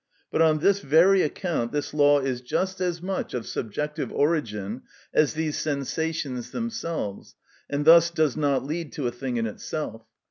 But, on this very account, this law is just as much of subjective origin as these sensations themselves, and thus does not lead to a thing in itself.